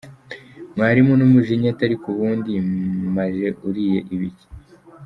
Mwarimu n'umujinya ati ariko ubundi maje uriye ibiki?.